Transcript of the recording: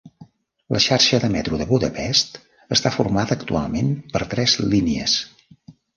La xarxa de metro de Budapest està formada actualment per tres línies.